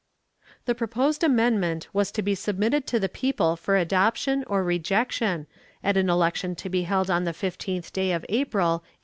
The proposed amendment was to be submitted to the people for adoption or rejection, at an election to be held on the fifteenth day of April, 1858.